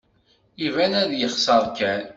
Iban ad yexser kan.